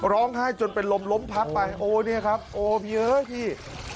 ร้องไห้จนเป็นลมล้มพับไปโอ้เนี่ยครับโอ้พี่เอ้ยพี่